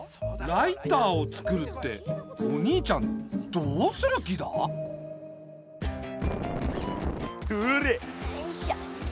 ライターをつくるってお兄ちゃんどうする気だ？ほら！よいしょ。